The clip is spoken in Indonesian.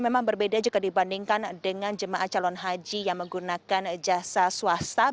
namun memang berbeda juga dibandingkan dengan jemaah calon haji yang kemarin tiba dan melakukan check in di asrama haji pondok gede